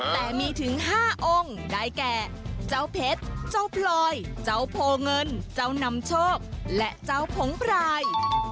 แต่มีถึง๕องค์ได้แก่เจ้าเพชรเจ้าพลอยเจ้าโพเงินเจ้านำโชคและเจ้าผงพราย